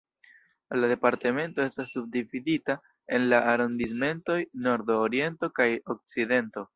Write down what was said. La Departemento estas subdividita en la arondismentoj "nordo", "oriento" kaj "okcidento".